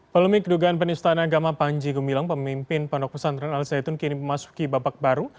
pelumi kedugaan penyusutana agama panji gumilang pemimpin pendokusan dan analisai itu kini memasuki babak baru